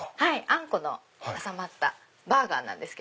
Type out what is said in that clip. あんこの挟まったバーガーです。